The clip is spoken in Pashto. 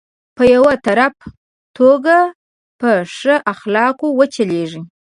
په يو طرفه توګه په ښو اخلاقو وچلېږي.